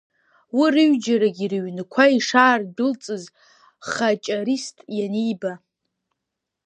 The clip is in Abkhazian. Уи рыҩџьагьы рыҩнқәа ишаардәылҵыз Хаҷарист ианиба…